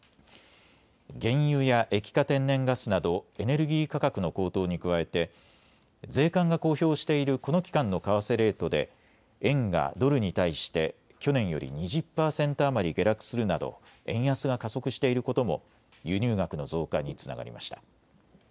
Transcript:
原油や液化天然ガスなどエネルギー価格の高騰に加えて税関が公表しているこの期間の為替レートで円がドルに対して去年より２０％余り下落するなど円安が加速していることも輸入額の増加につながりました。